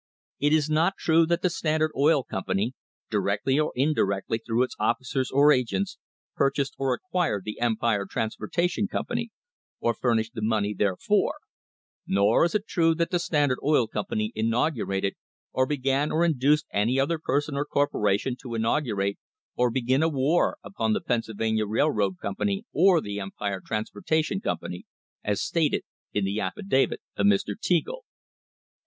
It is not true that the Standard Oil Company, directly or indi rectly through its officers or agents, purchased or acquired the Empire Transportation Company, or furnished the money therefor; nor is it true that the Standard Oil Company inaugu rated or began or induced any other person or corporation to inaugurate or begin a war upon the Pennsylvania Railroad Company or the Empire Transportation Company, as stated in the affidavit of Mr. Teagle."